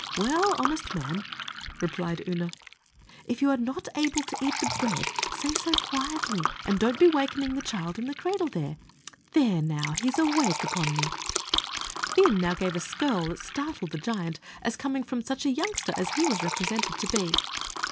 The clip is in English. "Well, honest man," replied Oonagh, "if you're not able to eat the bread, say so quietly, and don't be wakening the child in the cradle there. There, now, he's awake upon me." Fin now gave a skirl that startled the giant, as coming from such a youngster as he was represented to be.